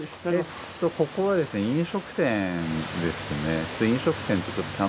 ここはですね飲食店ですね。